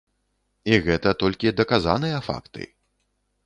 І гэта толькі даказаныя факты.